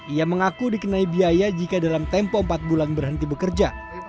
ia mengaku dikenai biaya jika dalam tempo empat bulan berhenti bekerja